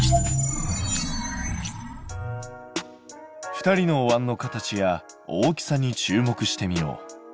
２人のおわんの形や大きさに注目してみよう。